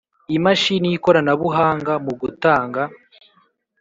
Imashini y ikoranabuhanga mu gutanga